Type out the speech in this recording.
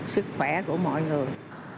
sức khỏe của mọi người